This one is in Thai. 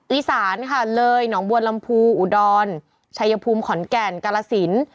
อีสานค่ะเลยหนองบัวลำพูอุดรชัยภูมิขอนแก่นกาลสิน